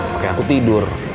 makanya aku tidur